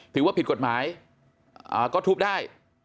ถือว่าผิดกฎหมายก็ทุบได้